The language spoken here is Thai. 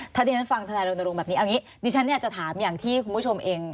ถ้าเจนฟังธนาโรนโรงแบบนี้ดิฉันจะถามอย่างที่คุณผู้ชมเอง